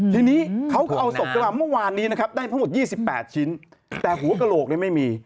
ทีนี้เขาก็เอาศพกระบามเมื่อวานนี้นะครับได้ประมาณ๒๘ชิ้นแต่หัวกระโหลกนี้ไม่มี